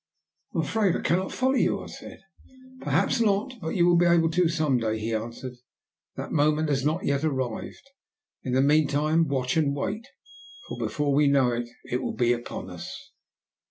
"I am afraid I cannot follow you," I said. "Perhaps not, but you will be able to some day," he answered. "That moment has not yet arrived. In the meantime watch and wait, for before we know it it will be upon us."